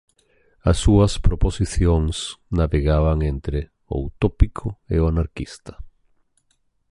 As súas proposicións navegaban entre o utópico e o anarquista.